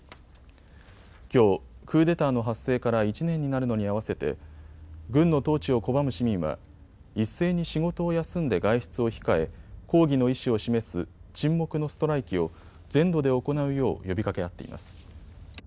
きょう、クーデターの発生から１年になるのに合わせて軍の統治を拒む市民は一斉に仕事を休んで外出を控え抗議の意思を示す沈黙のストライキを全土で行うよう呼びかけ合っています。